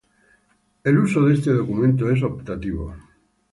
El uso de este documento es optativo.